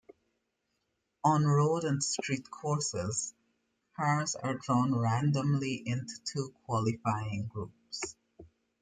On road and street courses, cars are drawn randomly into two qualifying groups.